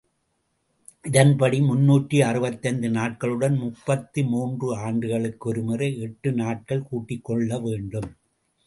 இதன்படி, முன்னூற்று அறுபத்தைந்து நாட்களுடன், முப்பத்து மூன்று ஆண்டுகளுக்கொருமுறை எட்டு நாட்கள் கூட்டிக் கொள்ள வேண்டும்.